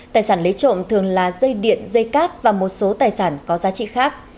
tài sản lấy trộm thường là dây điện dây cáp và một số tài sản có giá trị khác